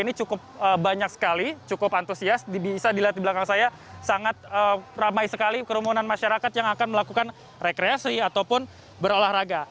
ini cukup banyak sekali cukup antusias bisa dilihat di belakang saya sangat ramai sekali kerumunan masyarakat yang akan melakukan rekreasi ataupun berolahraga